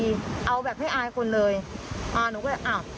คุณพ่อคุณว่าไง